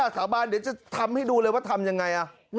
สาบานเดี๋ยวจะทำให้ดูเลยว่าทำยังไง